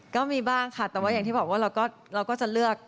ก็มีบ้างค่ะแต่ว่าอย่างที่บอกว่าเราก็จะเลือก